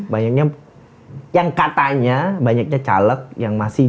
bayangnya yang katanya banyaknya caleg yang masih